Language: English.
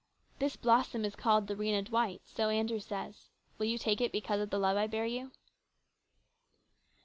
" This blossom is called the Rhena D wight, so Andrew says. Will you take it because of the love I bear you